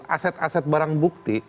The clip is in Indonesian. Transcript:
aset aset barang bukti